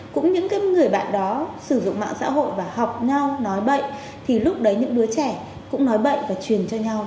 cũng những cái người bạn đó sử dụng mạng xã hội và học nhau nói bậy thì lúc đấy những đứa trẻ cũng nói bậy và truyền cho nhau